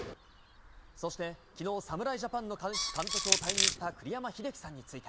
そして、きのう、侍ジャパンの監督を退任した栗山英樹さんについて。